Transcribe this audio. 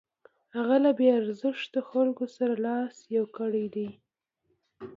هغه له بې ارزښتو خلکو سره لاس یو کړی دی.